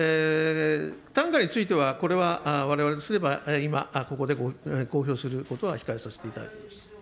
単価については、これはわれわれとすれば、今、ここで公表することは控えさせていただきます。